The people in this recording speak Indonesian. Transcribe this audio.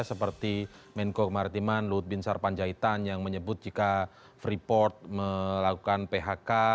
seperti menko kemaritiman lut bin sarpanjaitan yang menyebut jika freeport melakukan phk